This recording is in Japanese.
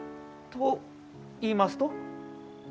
と言いますと？